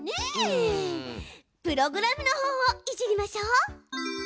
プログラムのほうをいじりましょ。